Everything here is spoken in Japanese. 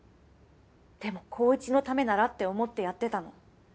でも紘一のためならって思ってやってたの。